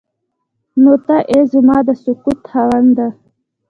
نو ته ای زما د سکوت خاونده.